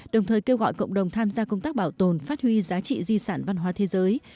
đồng thời kêu gọi cộng đồng tham gia công tác bảo tồn phát huy giá trị di sản văn hóa thế giới